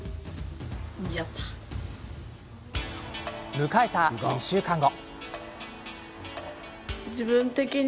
迎えた２週間後。